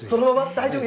大丈夫？